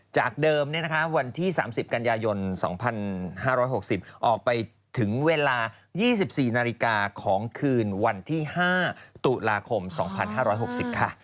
จากเดิมวันที่๓๐กันยายน๒๕๖๐ออกไปถึงเวลา๒๔นาฬิกาของคืนวันที่๕ตุลาคม๒๕๖๐ค่ะ